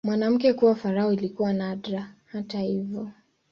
Mwanamke kuwa farao ilikuwa nadra, hata hivyo.